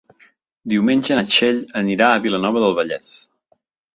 Diumenge na Txell anirà a Vilanova del Vallès.